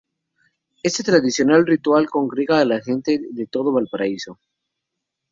Este tradicional ritual congrega a la gente de todo Valparaíso.